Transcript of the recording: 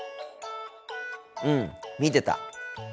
うん見てた。